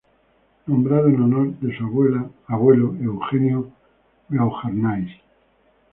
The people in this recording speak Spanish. Nombrado en honor de su abuelo Eugenio Beauharnais.